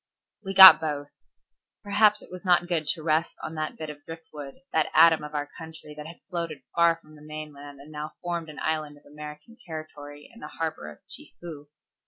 We got both. Perhaps it was not good to rest on that bit of drift wood, that atom of our country that had floated far from the mainland and now formed an island of American territory in the harbor of Chefoo.